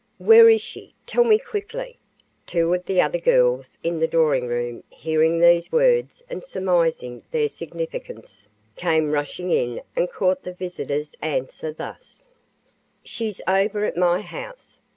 "Where is she? tell me quickly!" Two of the other girls in the drawing room, hearing these words and surmising their significance, came rushing in and caught the visitor's answer, thus: "She's over at my house.